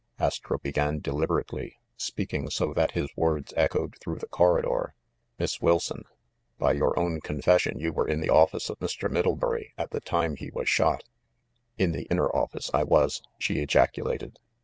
Astro began deliberately, speaking so that his words echoed through the corridor. "Miss Wilson, by your THE MIDDLEBURY MURDER 403 own confession you were in the office of Mr. Middle bury at the time he was shot." "In the inner office, I was," she ejaculated.